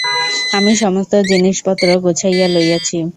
আমি সমস্ত জিনিসপত্র গুছাইয়া লইয়াছি।